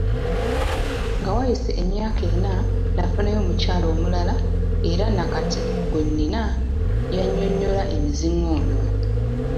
Nga wayise emyaka ena, nnafunayo omukyala omulala era nakati gwe nnina y'anyoola emizingoonyo.